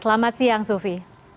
selamat siang sufi